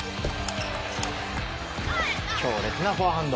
強烈なフォアハンド。